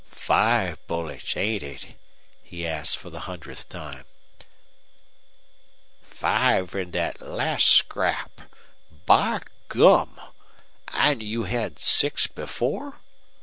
"Five bullets, ain't it?" he asked, for the hundredth time. "Five in that last scrap! By gum! And you had six before?"